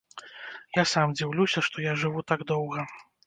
Я сам дзіўлюся, што я жыву так доўга.